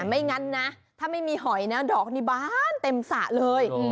ไม่งั้นนะถ้าไม่มีหอยนะดอกนี้บานเต็มสระเลย